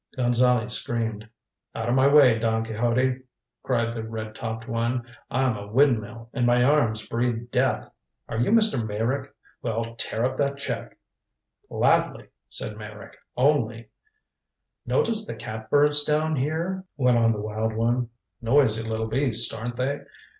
Gonzale screamed. "Out of my way, Don Quixote," cried the red topped one. "I'm a windmill and my arms breathe death. Are you Mr. Meyrick? Well, tear up that check!" "Gladly," said Meyrick. "Only " "Notice the catbirds down here?" went on the wild one. "Noisy little beasts, aren't they?